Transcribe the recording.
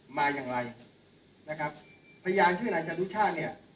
มาอย่างไรนะครับพยานชื่อนายจรุชาติเนี่ย